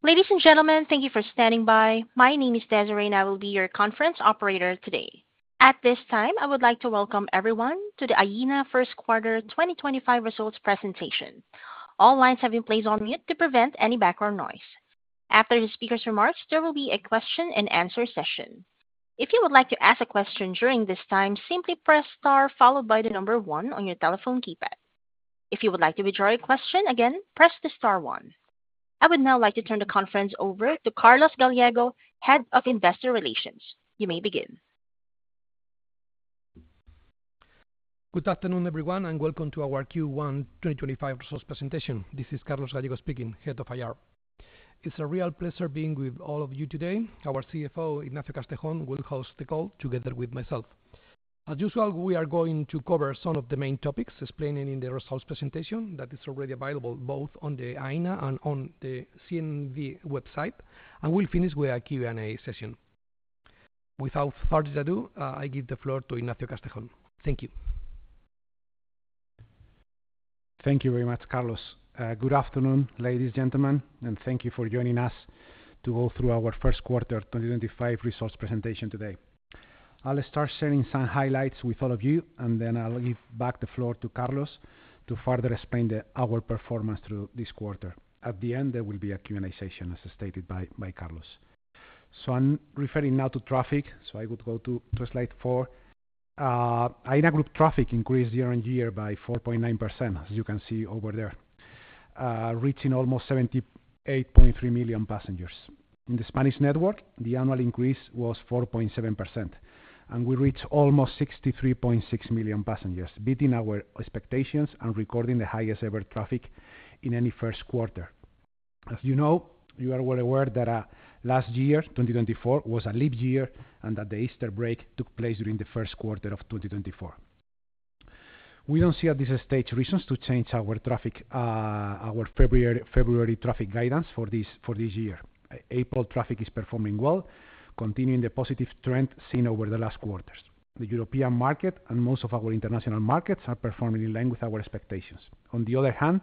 Ladies and gentlemen, thank you for standing by. My name is Desiree, and I will be your conference operator today. At this time, I would like to welcome everyone to the Aena first quarter 2025 results presentation. All lines have been placed on mute to prevent any background noise. After the speaker's remarks, there will be a question-and-answer session. If you would like to ask a question during this time, simply press star followed by the number one on your telephone keypad. If you would like to withdraw your question again, press the star one. I would now like to turn the conference over to Carlos Gallego, Head of Investor Relations. You may begin. Good afternoon, everyone, and welcome to our Q1 2025 results presentation. This is Carlos Gallego speaking, Head of IR. It's a real pleasure being with all of you today. Our CFO, Ignacio Castejón, will host the call together with myself. As usual, we are going to cover some of the main topics explained in the results presentation that is already available both on the Aena and on the CNMV website, and we'll finish with a Q&A session. Without further ado, I give the floor to Ignacio Castejón. Thank you. Thank you very much, Carlos. Good afternoon, ladies and gentlemen, and thank you for joining us to go through our first quarter 2025 results presentation today. I'll start sharing some highlights with all of you, and then I'll give back the floor to Carlos to further explain our performance through this quarter. At the end, there will be a Q&A session, as stated by Carlos. I am referring now to traffic, so I would go to slide four. Aena Group traffic increased year on year by 4.9%, as you can see over there, reaching almost 78.3 million passengers. In the Spanish network, the annual increase was 4.7%, and we reached almost 63.6 million passengers, beating our expectations and recording the highest-ever traffic in any first quarter. As you know, you are well aware that last year, 2024, was a leap year and that the Easter break took place during the first quarter of 2024. We don't see at this stage reasons to change our February traffic guidance for this year. April traffic is performing well, continuing the positive trend seen over the last quarters. The European market and most of our international markets are performing in line with our expectations. On the other hand,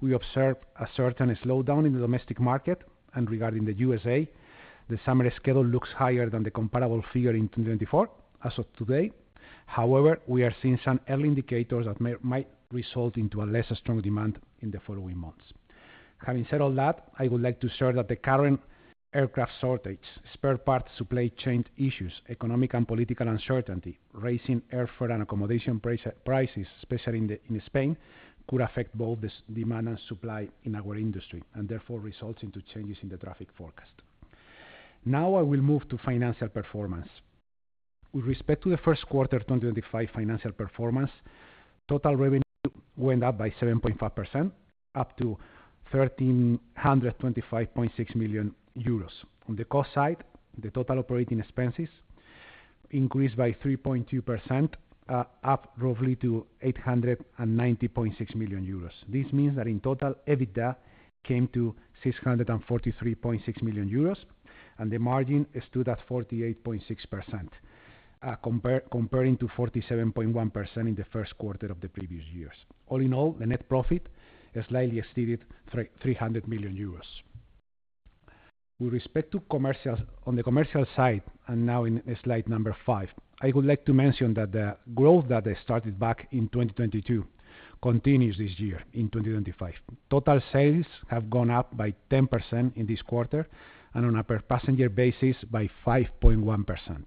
we observe a certain slowdown in the domestic market, and regarding the USA, the summer schedule looks higher than the comparable figure in 2024 as of today. However, we are seeing some early indicators that might result in less strong demand in the following months. Having said all that, I would like to share that the current aircraft shortage, spare parts supply chain issues, economic and political uncertainty, rising airfare and accommodation prices, especially in Spain, could affect both the demand and supply in our industry and therefore result in changes in the traffic forecast. Now I will move to financial performance. With respect to the first quarter 2025 financial performance, total revenue went up by 7.5%, up to 1,325.6 million euros. On the cost side, the total operating expenses increased by 3.2%, up roughly to 890.6 million euros. This means that in total, EBITDA came to 643.6 million euros, and the margin stood at 48.6%, comparing to 47.1% in the first quarter of the previous years. All in all, the net profit slightly exceeded 300 million euros. With respect to commercial, on the commercial side, and now in slide number five, I would like to mention that the growth that started back in 2022 continues this year in 2025. Total sales have gone up by 10% in this quarter and on a per-passenger basis by 5.1%.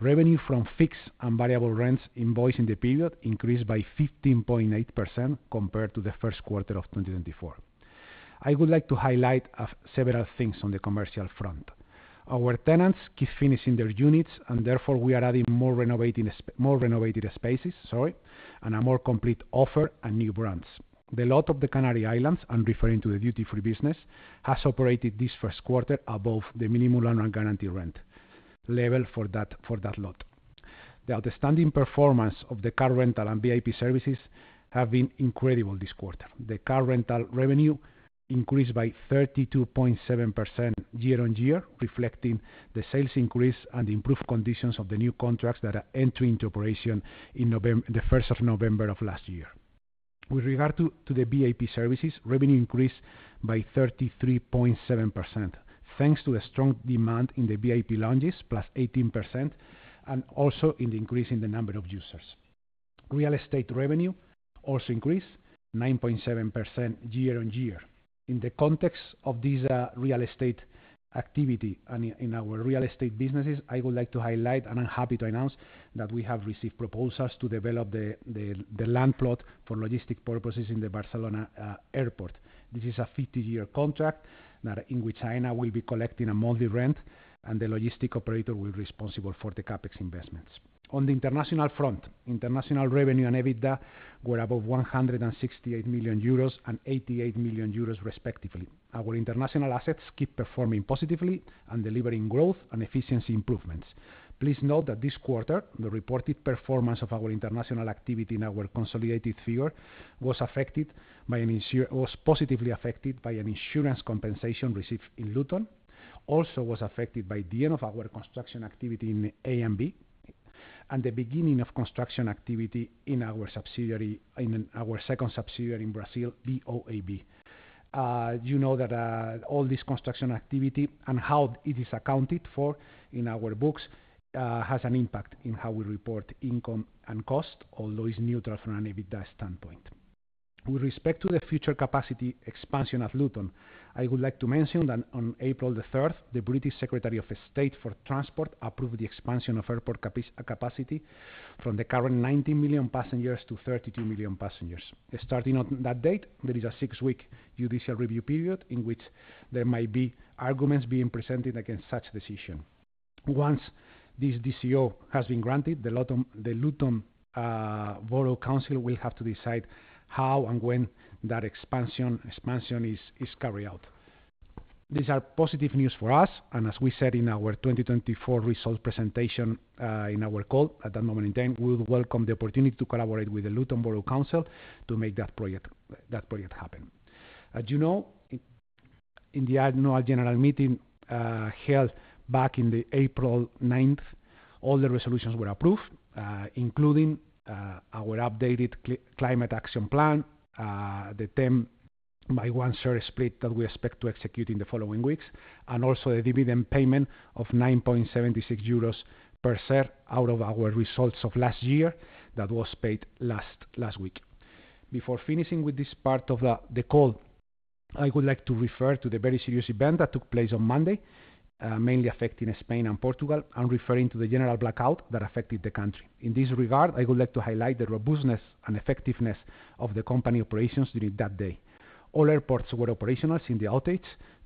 Revenue from fixed and variable rents invoiced in the period increased by 15.8% compared to the first quarter of 2024. I would like to highlight several things on the commercial front. Our tenants keep finishing their units, and therefore we are adding more renovated spaces and a more complete offer and new brands. The lot of the Canary Islands, and referring to the duty-free business, has operated this first quarter above the Minimum Annual Guaranteed Rent level for that lot. The outstanding performance of the car rental and VIP services has been incredible this quarter. The car rental revenue increased by 32.7% year on year, reflecting the sales increase and improved conditions of the new contracts that are entering into operation on the 1st of November of last year. With regard to the VIP services, revenue increased by 33.7%, thanks to the strong demand in the VIP lounges, plus 18%, and also in the increase in the number of users. Real estate revenue also increased 9.7% year on year. In the context of this real estate activity and in our real estate businesses, I would like to highlight, and I'm happy to announce, that we have received proposals to develop the land plot for logistic purposes in the Barcelona Airport. This is a 50-year contract in which Aena will be collecting a monthly rent, and the logistic operator will be responsible for the CAPEX investments. On the international front, international revenue and EBITDA were above 168 million euros and 88 million euros, respectively. Our international assets keep performing positively and delivering growth and efficiency improvements. Please note that this quarter, the reported performance of our international activity in our consolidated figure was positively affected by an insurance compensation received in Luton, also was affected by the end of our construction activity in ANB and the beginning of construction activity in our second subsidiary in Brazil, BOAB. You know that all this construction activity and how it is accounted for in our books has an impact in how we report income and cost, although it's neutral from an EBITDA standpoint. With respect to the future capacity expansion at Luton, I would like to mention that on April 3rd, the British Secretary of State for Transport approved the expansion of airport capacity from the current 19 million passengers to 32 million passengers. Starting on that date, there is a six-week judicial review period in which there might be arguments being presented against such decision. Once this DCO has been granted, the Luton Borough Council will have to decide how and when that expansion is carried out. These are positive news for us, and as we said in our 2024 results presentation in our call at that moment in time, we would welcome the opportunity to collaborate with the Luton Borough Council to make that project happen. As you know, in the annual general meeting held back on April 9th, all the resolutions were approved, including our updated Climate Action Plan, the 10-by-1 share split that we expect to execute in the following weeks, and also the dividend payment of 9.76 euros per share out of our results of last year that was paid last week. Before finishing with this part of the call, I would like to refer to the very serious event that took place on Monday, mainly affecting Spain and Portugal, and referring to the general blackout that affected the country. In this regard, I would like to highlight the robustness and effectiveness of the company operations during that day. All airports were operational in the outage,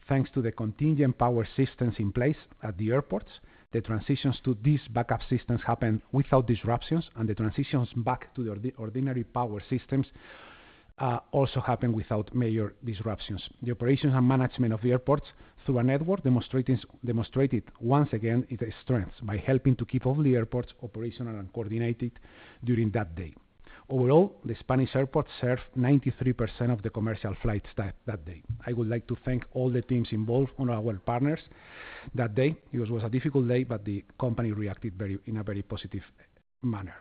thanks to the contingent power systems in place at the airports. The transitions to these backup systems happened without disruptions, and the transitions back to the ordinary power systems also happened without major disruptions. The operations and management of the airports through our network demonstrated once again its strength by helping to keep all the airports operational and coordinated during that day. Overall, the Spanish airports served 93% of the commercial flights that day. I would like to thank all the teams involved and our partners that day. It was a difficult day, but the company reacted in a very positive manner.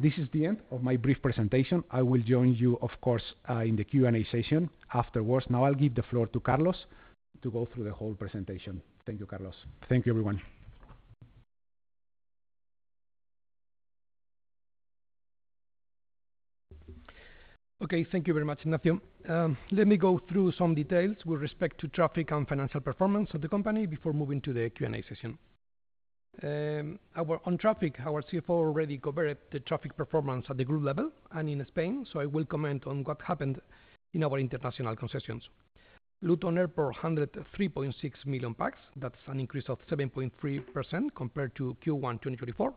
This is the end of my brief presentation. I will join you, of course, in the Q&A session afterwards. Now I'll give the floor to Carlos to go through the whole presentation. Thank you, Carlos. Thank you, everyone. Okay, thank you very much, Ignacio. Let me go through some details with respect to traffic and financial performance of the company before moving to the Q&A session. On traffic, our CFO already covered the traffic performance at the group level and in Spain, so I will comment on what happened in our international concessions. Luton Airport handled 3.6 million pax. That's an increase of 7.3% compared to Q1 2024.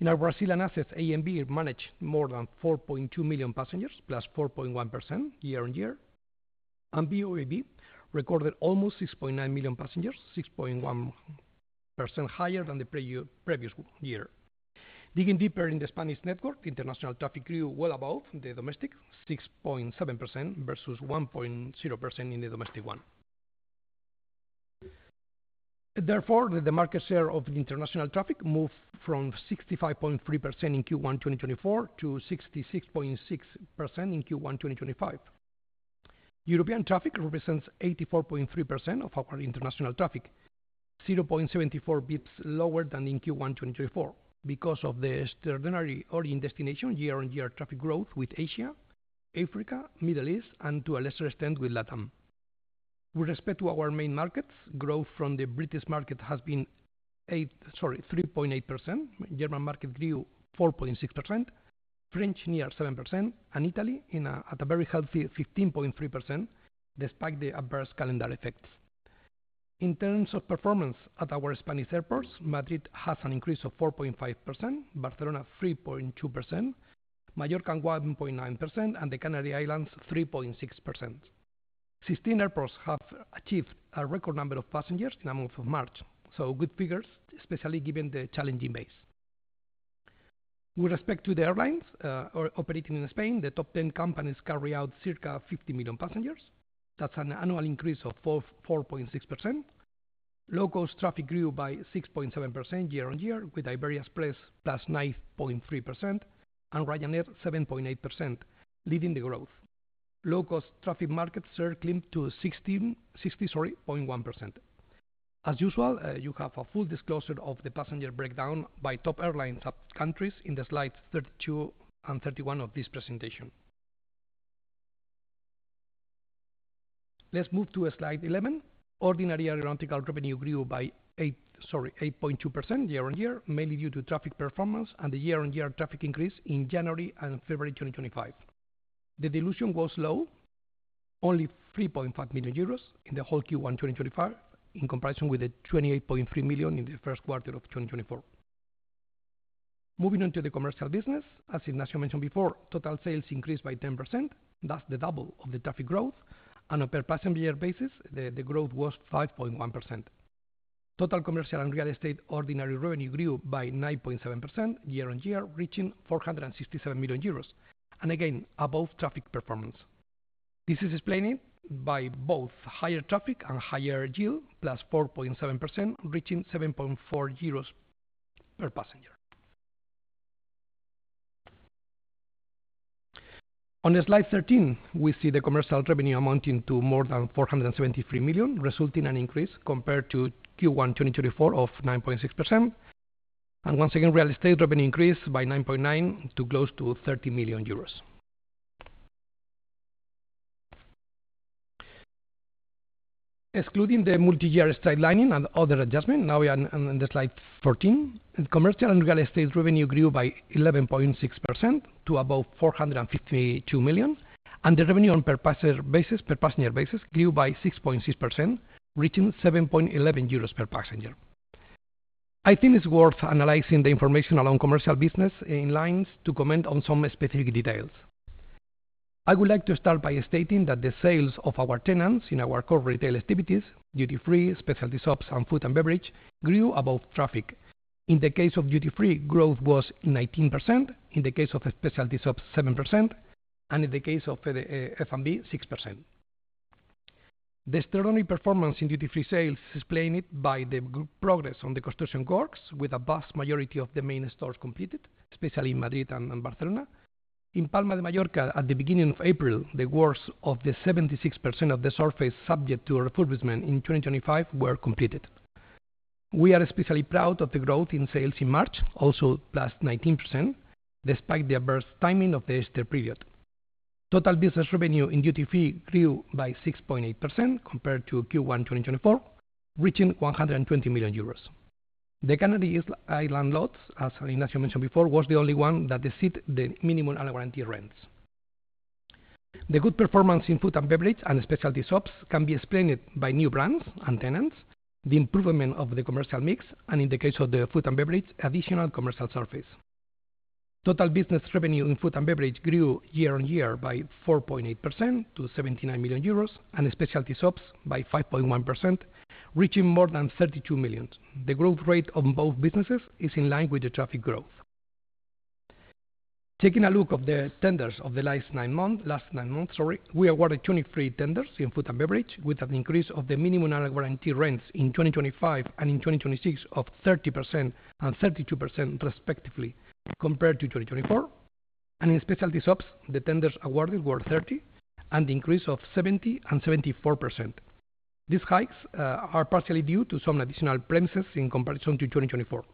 In our Brazilian assets, ANB managed more than 4.2 million passengers, plus 4.1% year on year. And BOAB recorded almost 6.9 million passengers, 6.1% higher than the previous year. Digging deeper in the Spanish network, the international traffic grew well above the domestic, 6.7% versus 1.0% in the domestic one. Therefore, the market share of international traffic moved from 65.3% in Q1 2024 to 66.6% in Q1 2025. European traffic represents 84.3% of our international traffic, 0.74 basis points lower than in Q1 2024 because of the extraordinary O&D year-on-year traffic growth with Asia, Africa, Middle East, and to a lesser extent with LATAM. With respect to our main markets, growth from the British market has been 3.8%, German market grew 4.6%, French near 7%, and Italy at a very healthy 15.3% despite the adverse calendar effects. In terms of performance at our Spanish airports, Madrid has an increase of 4.5%, Barcelona 3.2%, Mallorca 1.9%, and the Canary Islands 3.6%. Sixteen airports have achieved a record number of passengers in the month of March, good figures, especially given the challenging base. With respect to the airlines operating in Spain, the top 10 companies carry out circa 50 million passengers. That's an annual increase of 4.6%. Low-cost traffic grew by 6.7% year-on-year with Iberia Express plus 9.3% and Ryanair 7.8%, leading the growth. Low-cost traffic markets circling to 60.1%. As usual, you have a full disclosure of the passenger breakdown by top airlines of countries in the slides 32 and 31 of this presentation. Let's move to slide 11. Ordinary aeronautical revenue grew by 8.2% year-on-year, mainly due to traffic performance and the year-on-year traffic increase in January and February 2025. The dilution was low, only 3.5 million euros in the whole Q1 2025, in comparison with the 28.3 million in the first quarter of 2024. Moving on to the commercial business, as Ignacio mentioned before, total sales increased by 10%. That's the double of the traffic growth. On a per-passenger basis, the growth was 5.1%. Total commercial and real estate ordinary revenue grew by 9.7% year-on-year, reaching 467 million euros, and again, above traffic performance. This is explained by both higher traffic and higher yield, plus 4.7%, reaching 7.4 euros per passenger. On slide 13, we see the commercial revenue amounting to more than 473 million, resulting in an increase compared to Q1 2024 of 9.6%. Once again, real estate revenue increased by 9.9% to close to 30 million euros. Excluding the multi-year straight lining and other adjustments, now we are on slide 14. Commercial and real estate revenue grew by 11.6% to above 452 million, and the revenue on per-passenger basis grew by 6.6%, reaching 7.11 euros per passenger. I think it's worth analyzing the information along commercial business in lines to comment on some specific details. I would like to start by stating that the sales of our tenants in our core retail activities, duty-free, specialty shops, and food and beverage, grew above traffic. In the case of duty-free, growth was 19%. In the case of specialty shops, 7%, and in the case of F&B, 6%. The extraordinary performance in duty-free sales is explained by the progress on the construction works, with a vast majority of the main stores completed, especially in Madrid and Barcelona. In Palma de Mallorca, at the beginning of April, the works of 76% of the surface subject to refurbishment in 2025 were completed. We are especially proud of the growth in sales in March, also plus 19%, despite the adverse timing of the extra period. Total business revenue in duty-free grew by 6.8% compared to Q1 2024, reaching 120 million euros. The Canary Island lots, as Ignacio mentioned before, were the only ones that exceeded the Minimum Annual Guaranteed Rents. The good performance in food and beverage and specialty shops can be explained by new brands and tenants, the improvement of the commercial mix, and in the case of the food and beverage, additional commercial surface. Total business revenue in food and beverage grew year-on-year by 4.8% to 79 million euros, and specialty shops by 5.1%, reaching more than 32 million. The growth rate of both businesses is in line with the traffic growth. Taking a look at the tenders of the last nine months, we awarded 23 tenders in food and beverage, with an increase of the Minimum Annual Guaranteed Rents in 2025 and in 2026 of 30% and 32%, respectively, compared to 2024. In specialty shops, the tenders awarded were 30% and the increase of 70% and 74%. These hikes are partially due to some additional premises in comparison to 2024.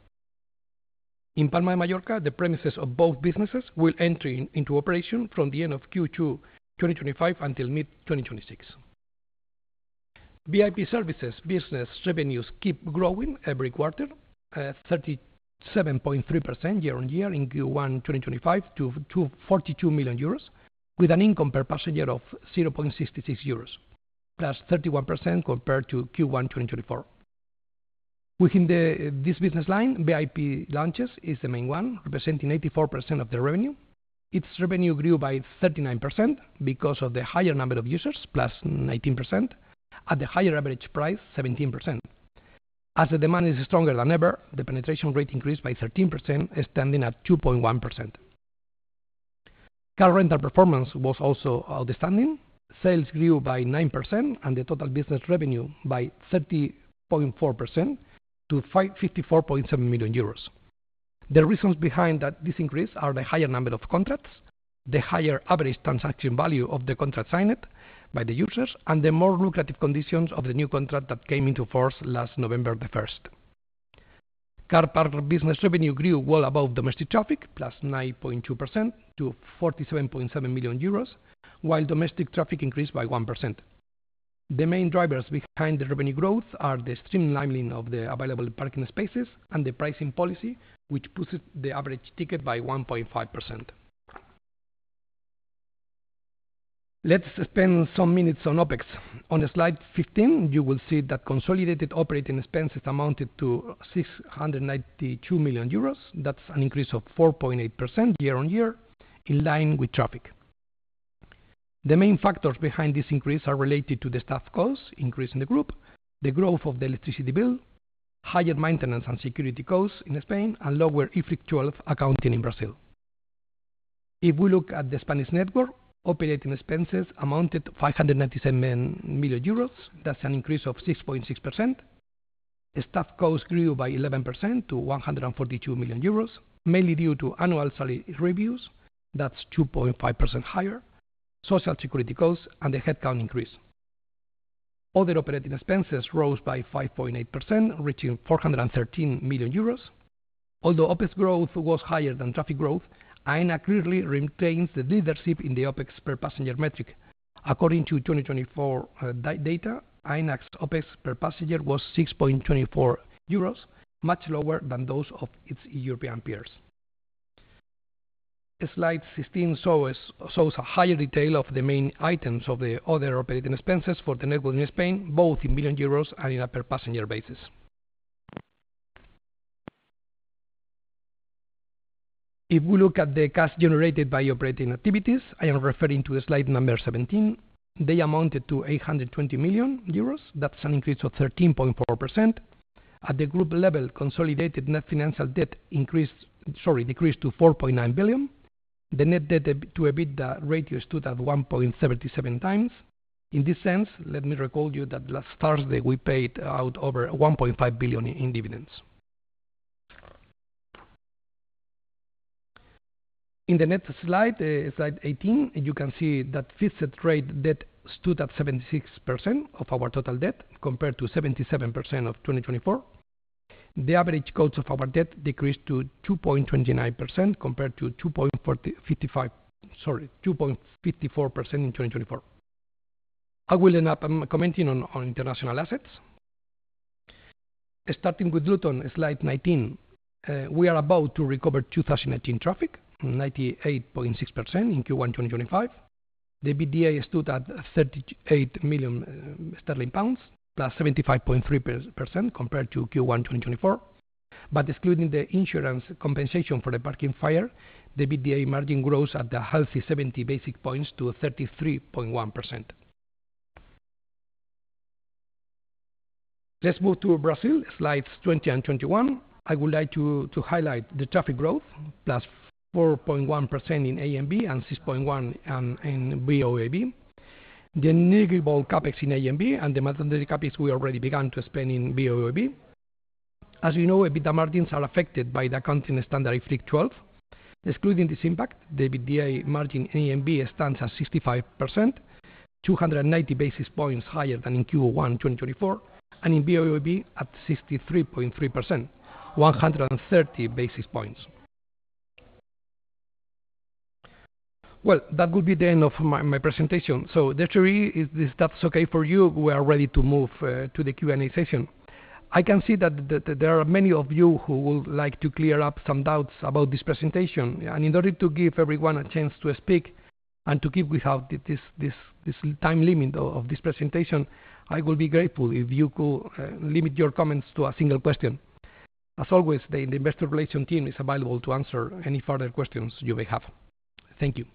In Palma de Mallorca, the premises of both businesses will enter into operation from the end of Q2 2025 until mid-2026. VIP services business revenues keep growing every quarter, 37.3% year-on-year in Q1 2025 to 42 million euros, with an income per passenger of 0.66 euros, plus 31% compared to Q1 2024. Within this business line, VIP lounges is the main one, representing 84% of the revenue. Its revenue grew by 39% because of the higher number of users, plus 19%, at the higher average price, 17%. As the demand is stronger than ever, the penetration rate increased by 13%, standing at 2.1%. Car rental performance was also outstanding. Sales grew by 9% and the total business revenue by 30.4% to 54.7 million euros. The reasons behind this increase are the higher number of contracts, the higher average transaction value of the contract signed by the users, and the more lucrative conditions of the new contract that came into force last November 1st. Car park business revenue grew well above domestic traffic, plus 9.2% to 47.7 million euros, while domestic traffic increased by 1%. The main drivers behind the revenue growth are the streamlining of the available parking spaces and the pricing policy, which pushed the average ticket by 1.5%. Let's spend some minutes on OPEX. On slide 15, you will see that consolidated operating expenses amounted to 692 million euros. That's an increase of 4.8% year-on-year, in line with traffic. The main factors behind this increase are related to the staff costs increasing in the group, the growth of the electricity bill, higher maintenance and security costs in Spain, and lower IFRIC 12 accounting in Brazil. If we look at the Spanish network, operating expenses amounted to 597 million euros. That's an increase of 6.6%. Staff costs grew by 11% to 142 million euros, mainly due to annual salary reviews. That's 2.5% higher. Social security costs and the headcount increase. Other operating expenses rose by 5.8%, reaching 413 million euros. Although OPEX growth was higher than traffic growth, Aena clearly retains the leadership in the OPEX per passenger metric. According to 2024 data, Aena's OPEX per passenger was 6.24 euros, much lower than those of its European peers. Slide 16 shows a higher detail of the main items of the other operating expenses for the network in Spain, both in million euros and in a per-passenger basis. If we look at the cash generated by operating activities, I am referring to slide number 17, they amounted to 820 million euros. That's an increase of 13.4%. At the group level, consolidated net financial debt decreased to 4.9 billion. The net debt to EBITDA ratio stood at 1.77 times. In this sense, let me recall you that last Thursday we paid out over 1.5 billion in dividends. In the next slide, slide 18, you can see that fixed rate debt stood at 76% of our total debt compared to 77% in 2024. The average cost of our debt decreased to 2.29% compared to 2.54% in 2024. I will end up commenting on international assets. Starting with Luton, slide 19, we are about to recover 2018 traffic, 98.6% in Q1 2025. The EBITDA stood at 38 million sterling plus 75.3% compared to Q1 2024. Excluding the insurance compensation for the parking fire, the EBITDA margin grows at a healthy 70 basis points to 33.1%. Let's move to Brazil, slides 20 and 21. I would like to highlight the traffic growth, plus 4.1% in ANB and 6.1% in BOAB. The negligible CAPEX in ANB and the mandatory CAPEX we already began to explain in BOAB. As you know, EBITDA margins are affected by the accounting standard fluctuation. Excluding this impact, the EBITDA margin in ANB stands at 65%, 290 basis points higher than in Q1 2024, and in BOAB at 63.3%, 130 basis points. That would be the end of my presentation. Desiree, if that's okay for you, we are ready to move to the Q&A session. I can see that there are many of you who would like to clear up some doubts about this presentation. In order to give everyone a chance to speak and to keep without this time limit of this presentation, I would be grateful if you could limit your comments to a single question. As always, the investor relations team is available to answer any further questions you may have. Thank you.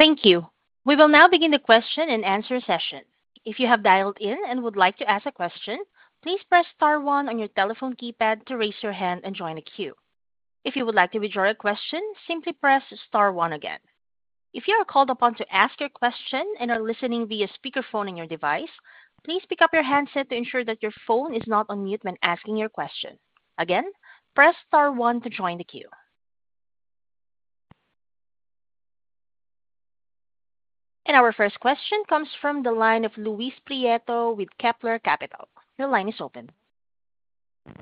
Thank you. We will now begin the question and answer session. If you have dialed in and would like to ask a question, please press star one on your telephone keypad to raise your hand and join the queue. If you would like to withdraw your question, simply press star one again. If you are called upon to ask your question and are listening via speakerphone on your device, please pick up your handset to ensure that your phone is not on mute when asking your question. Again, press star one to join the queue. Our first question comes from the line of Luis Prieto with Kepler Capital. Your line is open.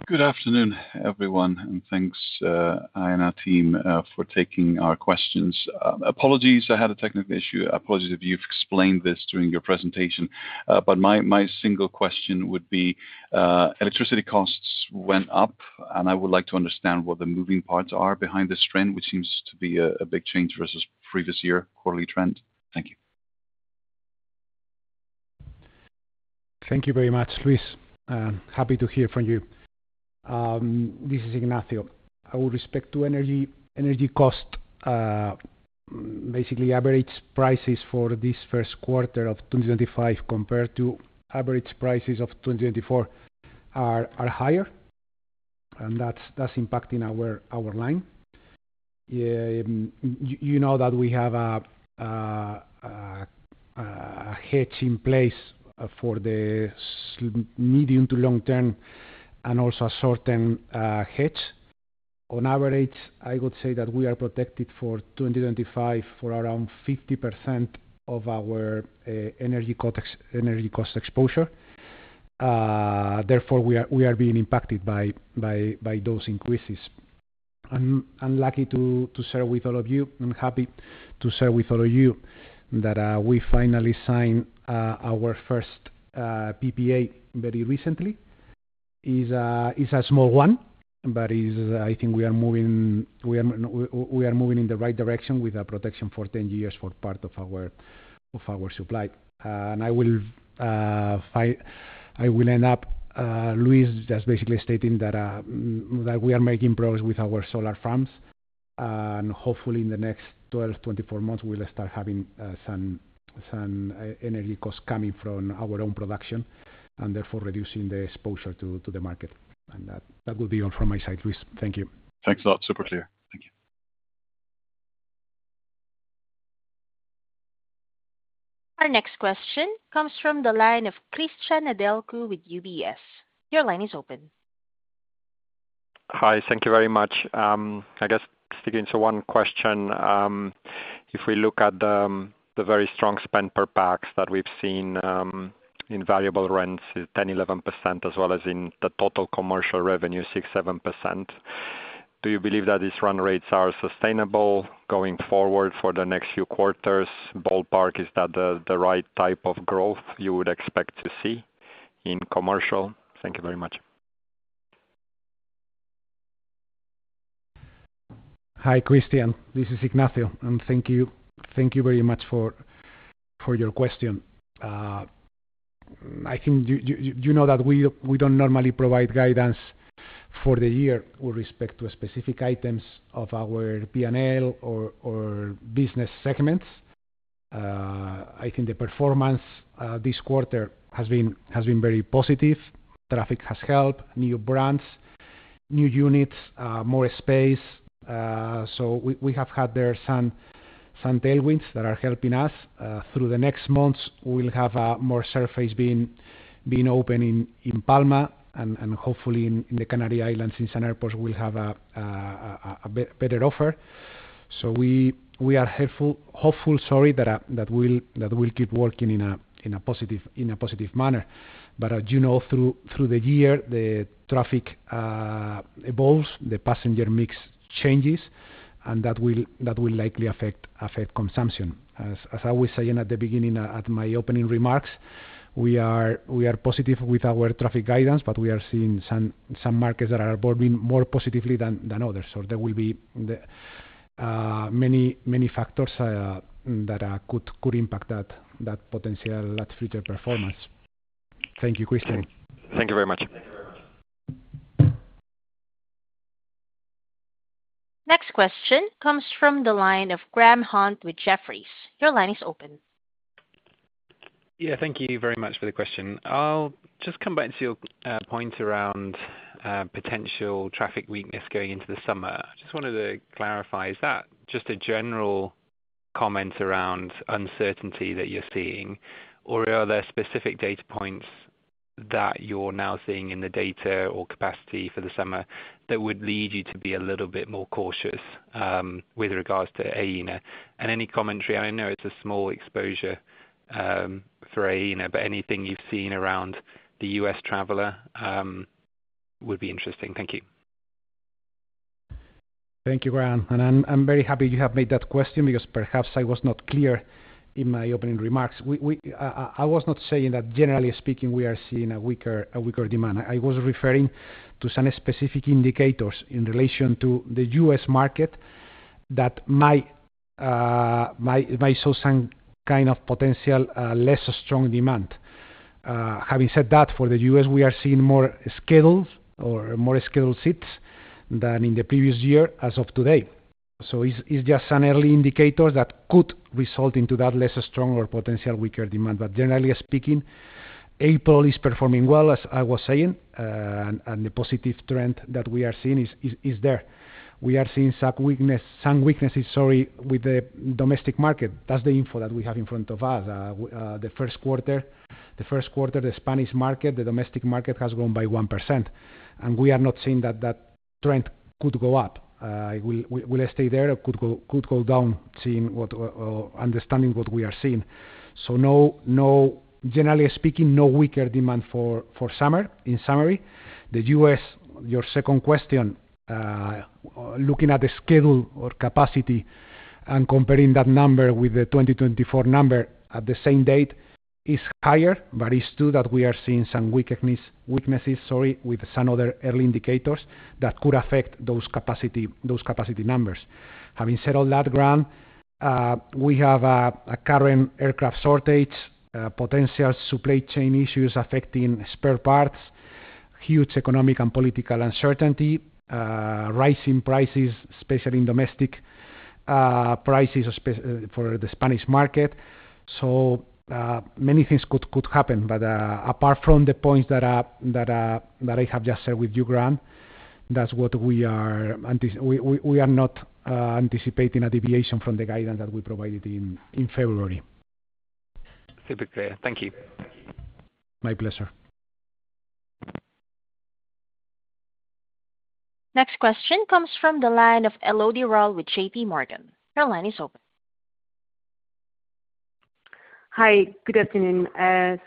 Good afternoon, everyone, and thanks to Aena team for taking our questions. Apologies, I had a technical issue. Apologies if you've explained this during your presentation. My single question would be electricity costs went up, and I would like to understand what the moving parts are behind this trend, which seems to be a big change versus previous year quarterly trend. Thank you. Thank you very much, Luis. Happy to hear from you. This is Ignacio. With respect to energy cost, basically average prices for this first quarter of 2025 compared to average prices of 2024 are higher, and that's impacting our line. You know that we have a hedge in place for the medium to long term and also a short term hedge. On average, I would say that we are protected for 2025 for around 50% of our energy cost exposure. Therefore, we are being impacted by those increases. I'm lucky to share with all of you. I'm happy to share with all of you that we finally signed our first PPA very recently. It's a small one, but I think we are moving in the right direction with a protection for 10 years for part of our supply. I will end up, Luis, just basically stating that we are making progress with our solar farms. Hopefully, in the next 12-24 months, we will start having some energy costs coming from our own production and therefore reducing the exposure to the market. That would be all from my side, Luis. Thank you. Thanks a lot. Super clear. Thank you. Our next question comes from the line of Cristian Nedelcu with UBS. Your line is open. Hi, thank you very much. I guess speaking to one question, if we look at the very strong spend per pax that we've seen in variable rents, it's 10-11%, as well as in the total commercial revenue, 6-7%. Do you believe that these run rates are sustainable going forward for the next few quarters? Ballpark, is that the right type of growth you would expect to see in commercial? Thank you very much. Hi, Cristian. This is Ignacio, and thank you very much for your question. I think you know that we don't normally provide guidance for the year with respect to specific items of our P&L or business segments. I think the performance this quarter has been very positive. Traffic has helped, new brands, new units, more space. We have had there some tailwinds that are helping us. Through the next months, we'll have more surface being open in Palma, and hopefully in the Canary Islands, in some airports, we'll have a better offer. We are hopeful, sorry, that we'll keep working in a positive manner. As you know, through the year, the traffic evolves, the passenger mix changes, and that will likely affect consumption. As I was saying at the beginning at my opening remarks, we are positive with our traffic guidance, but we are seeing some markets that are evolving more positively than others. There will be many factors that could impact that potential, that future performance. Thank you, Cristian. Thank you very much. Next question comes from the line of Graham Hunt with Jefferies. Your line is open. Yeah, thank you very much for the question. I'll just come back to your point around potential traffic weakness going into the summer. I just wanted to clarify, is that just a general comment around uncertainty that you're seeing, or are there specific data points that you're now seeing in the data or capacity for the summer that would lead you to be a little bit more cautious with regards to Aena? Any commentary? I know it's a small exposure for Aena, but anything you've seen around the US traveler would be interesting. Thank you. Thank you, Graham. I'm very happy you have made that question because perhaps I was not clear in my opening remarks. I was not saying that, generally speaking, we are seeing a weaker demand. I was referring to some specific indicators in relation to the US market that might show some kind of potential less strong demand. Having said that, for the U.S., we are seeing more scheduled or more scheduled seats than in the previous year as of today. It is just some early indicators that could result in that less strong or potentially weaker demand. Generally speaking, April is performing well, as I was saying, and the positive trend that we are seeing is there. We are seeing some weakness, sorry, with the domestic market. That is the info that we have in front of us. The first quarter, the Spanish market, the domestic market has grown by 1%. We are not seeing that that trend could go up. It will stay there or could go down, understanding what we are seeing. Generally speaking, no weaker demand for summer. In summary, the U.S., your second question, looking at the schedule or capacity and comparing that number with the 2024 number at the same date, is higher, but it's true that we are seeing some weaknesses with some other early indicators that could affect those capacity numbers. Having said all that, Graham, we have a current aircraft shortage, potential supply chain issues affecting spare parts, huge economic and political uncertainty, rising prices, especially in domestic prices for the Spanish market. Many things could happen. Apart from the points that I have just shared with you, Graham, that's why we are not anticipating a deviation from the guidance that we provided in February. Super clear. Thank you. My pleasure. Next question comes from the line of Elodie Rall with JPMorgan. Her line is open. Hi, good afternoon.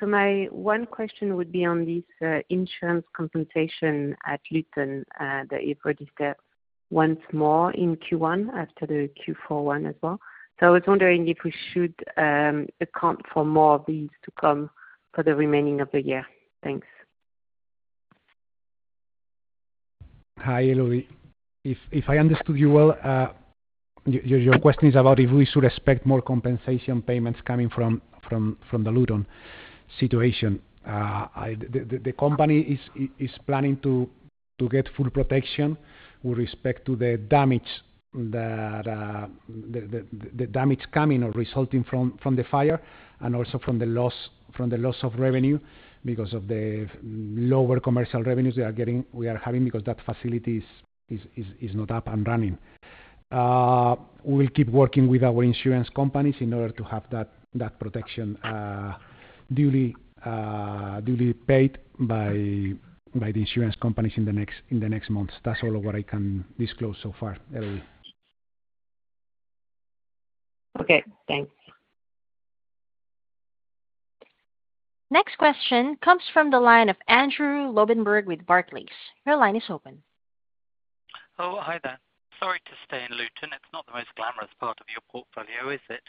My one question would be on this insurance compensation at Luton that you've registered once more in Q1 after the Q4 one as well. I was wondering if we should account for more of these to come for the remaining of the year. Thanks. Hi, Elodie. If I understood you well, your question is about if we should expect more compensation payments coming from the Luton situation. The company is planning to get full protection with respect to the damage coming or resulting from the fire and also from the loss of revenue because of the lower commercial revenues we are having because that facility is not up and running. We will keep working with our insurance companies in order to have that protection duly paid by the insurance companies in the next months. That's all what I can disclose so far, Elodie. Okay, thanks. Next question comes from the line of Andrew Lobbenberg with Barclays. Your line is open. Hello, hi there. Sorry to stay in Luton. It's not the most glamorous part of your portfolio, is it?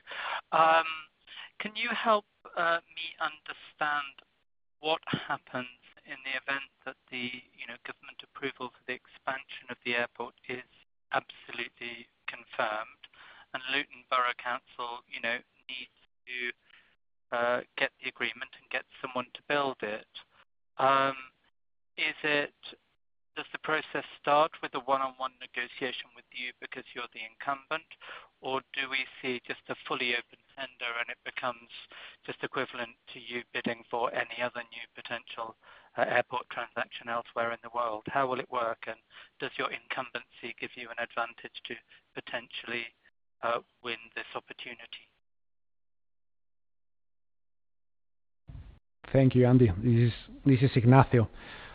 Can you help me understand what happens in the event that the government approval for the expansion of the airport is absolutely confirmed and Luton Borough Council needs to get the agreement and get someone to build it? Does the process start with a one-on-one negotiation with you because you're the incumbent, or do we see just a fully open tender and it becomes just equivalent to you bidding for any other new potential airport transaction elsewhere in the world? How will it work, and does your incumbency give you an advantage to potentially win this opportunity? Thank you, Andy. This is Ignacio.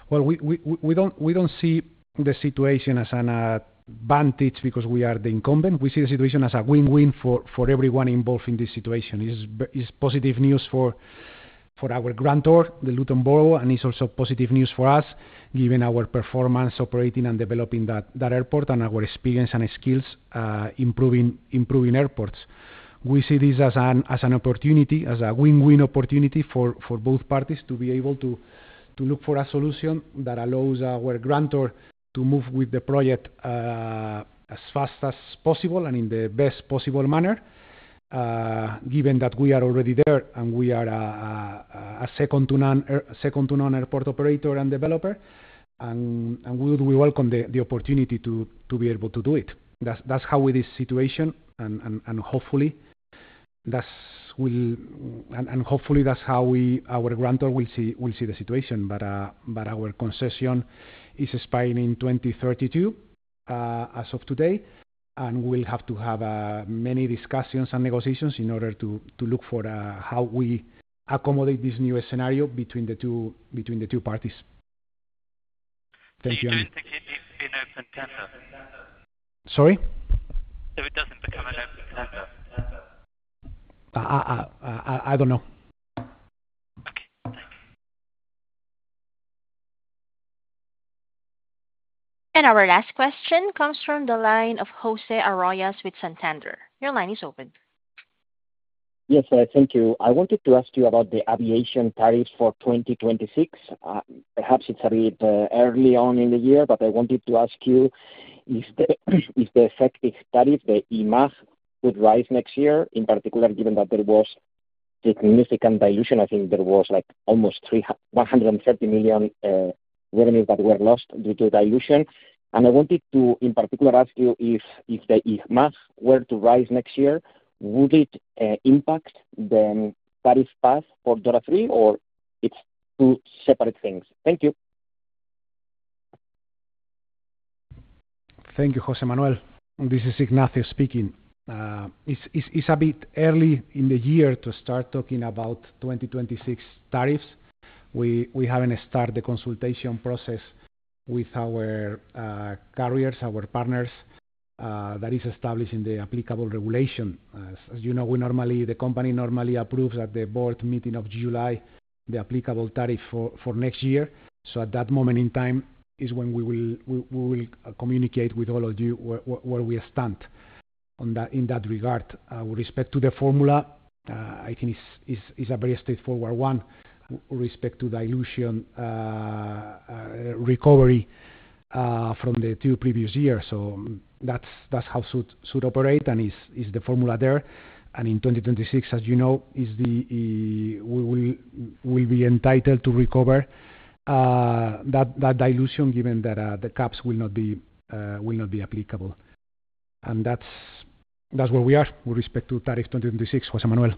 We do not see the situation as an advantage because we are the incumbent. We see the situation as a win-win for everyone involved in this situation. It is positive news for our grantor, the Luton Borough, and it is also positive news for us given our performance operating and developing that airport and our experience and skills improving airports. We see this as an opportunity, as a win-win opportunity for both parties to be able to look for a solution that allows our grantor to move with the project as fast as possible and in the best possible manner, given that we are already there and we are a second-to-none airport operator and developer. We welcome the opportunity to be able to do it. That is how we see the situation, and hopefully, that is how our grantor will see the situation. Our concession is expiring in 2032 as of today, and we will have to have many discussions and negotiations in order to look for how we accommodate this new scenario between the two parties. Thank you. Sorry? It does not become an open tender? I do not know. Okay. Thank you. Our last question comes from the line of José Arroyas with Santander. Your line is open. Yes, thank you. I wanted to ask you about the aviation tariffs for 2026. Perhaps it is a bit early on in the year, but I wanted to ask you if the effective tariff, the IMAAJ, would rise next year, in particular, given that there was significant dilution. I think there was almost 130 million revenues that were lost due to dilution. I wanted to, in particular, ask you if the IMAAJ were to rise next year, would it impact the tariff path for DORA III, or it's two separate things? Thank you. Thank you, José Manuel. This is Ignacio speaking. It's a bit early in the year to start talking about 2026 tariffs. We haven't started the consultation process with our carriers, our partners that are established in the applicable regulation. As you know, the company normally approves at the board meeting of July the applicable tariff for next year. At that moment in time is when we will communicate with all of you where we stand in that regard. With respect to the formula, I think it's a very straightforward one with respect to dilution recovery from the two previous years. That's how it should operate, and it's the formula there. In 2026, as you know, we will be entitled to recover that dilution given that the caps will not be applicable. That is where we are with respect to tariff 2026, José Manuel.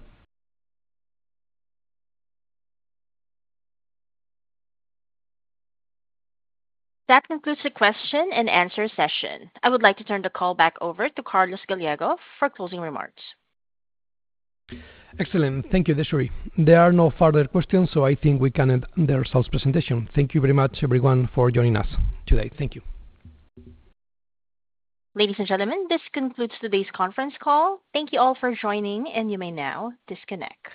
That concludes the question and answer session. I would like to turn the call back over to Carlos Gallego for closing remarks. Excellent. Thank you, Desiree. There are no further questions, so I think we can end the results presentation. Thank you very much, everyone, for joining us today. Thank you. Ladies and gentlemen, this concludes today's conference call. Thank you all for joining, and you may now disconnect.